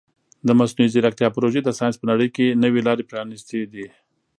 د مصنوعي ځیرکتیا پروژې د ساینس په نړۍ کې نوې لارې پرانیستې دي.